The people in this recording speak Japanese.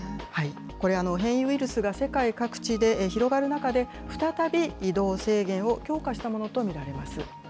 これは変異ウイルスが世界各地で広がる中で、再び移動制限を強化したものと見られます。